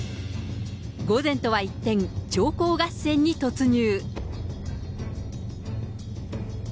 午前とは一転、長考合戦に突入。